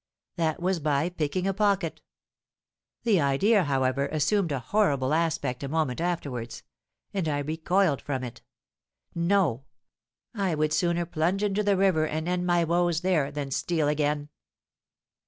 That was by picking a pocket! The idea, however, assumed a horrible aspect a moment afterwards—and I recoiled from it. No: I would sooner plunge into the river and end my woes there—than steal again!